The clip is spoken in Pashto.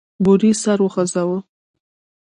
بوریس سر وخوزاوه.